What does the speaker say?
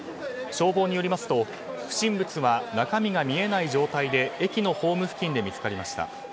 消防によりますと不審物は中身が見えない状態で駅のホーム付近で見つかりました。